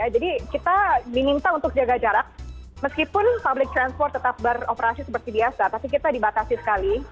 jadi kita diminta untuk jaga jarak meskipun public transport tetap beroperasi seperti biasa tapi kita dibatasi sekali